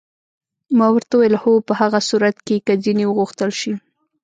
ما ورته وویل: هو، په هغه صورت کې که ځینې وغوښتل شي.